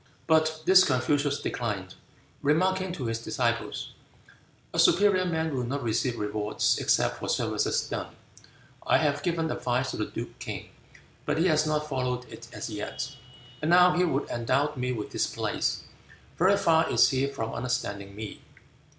But this Confucius declined, remarking to his disciples, "A superior man will not receive rewards except for services done. I have given advice to the duke King, but he has not followed it as yet, and now he would endow me with this place. Very far is he from understanding me."